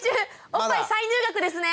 おっぱい再入学ですね。